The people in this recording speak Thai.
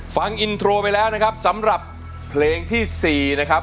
ฟังอินโทรไปแล้วนะครับสำหรับเพลงที่๔นะครับ